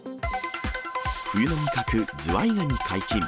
冬の味覚、ズワイガニ解禁。